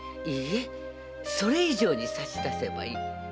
いいえそれ以上に差し出せばいい。